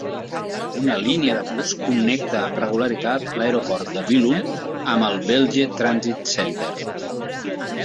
Una línia de bus connecta amb regularitat l'aeroport de Billund amb el Vejle Transit Centre.